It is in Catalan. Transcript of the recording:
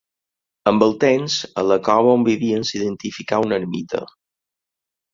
Amb el temps, a la cova on vivien s'edificà una ermita.